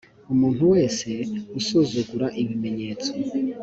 umuntu wese usuzugura ibimenyetso